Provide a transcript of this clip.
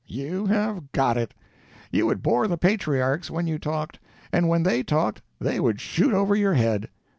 "You have got it. You would bore the patriarchs when you talked, and when they talked they would shoot over your head.